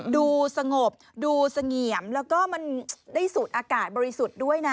ดูสงบดูเสงี่ยมแล้วก็มันได้สูดอากาศบริสุทธิ์ด้วยนะ